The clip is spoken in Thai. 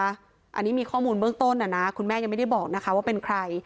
อันนี้มีข้อมูลเบื้องต้นนะคุณแม่ยังไม่ได้บอกนะคะว่าเป็นใคร